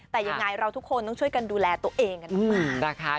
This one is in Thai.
แต่ยังไงเราทุกคนต้องช่วยกันดูแลตัวเองกันออกมานะคะ